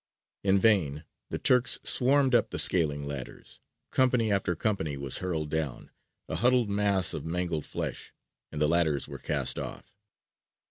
In vain the Turks swarmed up the scaling ladders; company after company was hurled down, a huddled mass of mangled flesh, and the ladders were cast off.